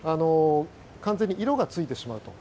完全に色がついてしまうと。